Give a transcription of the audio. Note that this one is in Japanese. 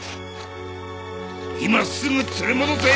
今すぐ連れ戻せ！